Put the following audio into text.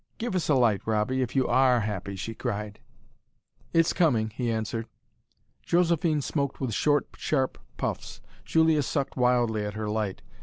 "Give us a light, Robbie, if you ARE happy!" she cried. "It's coming," he answered. Josephine smoked with short, sharp puffs. Julia sucked wildly at her light.